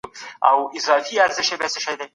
تاسي په خپلو سترګو کي رانجه اچوئ.